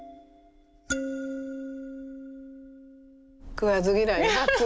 食わず嫌いで初。